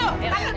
ampun t dewi